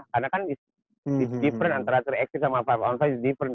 karena kan it s different antara tiga x tiga sama lima on lima it s different